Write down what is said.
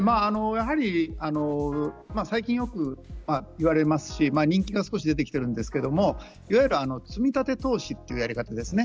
最近よく言われますし人気が少し出ているんですけどもいわゆる積み立て投資というやり方です。